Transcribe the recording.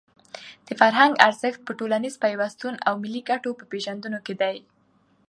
د فرهنګ ارزښت په ټولنیز پیوستون او د ملي ګټو په پېژندلو کې دی.